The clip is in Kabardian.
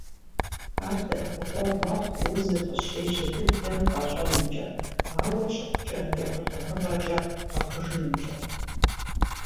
Ар дэӀэпыкъуэгъу мэхъу узыр къыщежьэ дыдэм къэщӀэнымкӀэ, ауэ щыхъукӀэ, ехъулӀэныгъэкӀэ гъэхъужынымкӀэ.